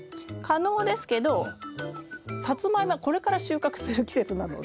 可能ですけどサツマイモはこれから収穫する季節なので。